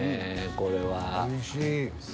これは。